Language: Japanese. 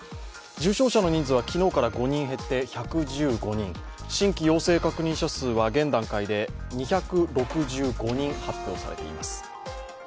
重症者の人数は昨日から５人減って１１５人新規陽性確認者数は現段階で２６５人発表されています。